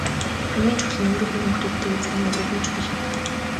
Хамгийн чухал нь өөрийнхөө хүүхдүүдтэйгээ цагийг өнгөрөөх нь чухал юм.